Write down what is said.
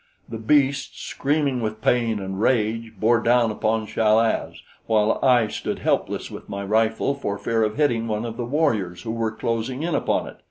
The beast, screaming with pain and rage, bore down upon Chal az while I stood helpless with my rifle for fear of hitting one of the warriors who were closing in upon it.